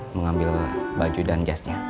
mengambil baju dan jasnya